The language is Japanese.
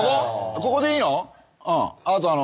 ここでいいの？